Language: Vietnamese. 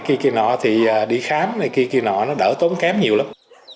kia kia nọ thì đi khám này kia kia nọ nó đỡ tốn kém nhiều lắm